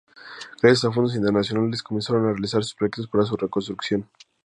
Gracias a fondos internacionales, comenzaron a realizarse proyectos para su reconstrucción.